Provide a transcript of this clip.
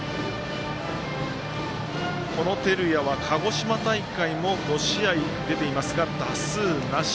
この照屋は鹿児島大会も５試合出ていますが打数なし。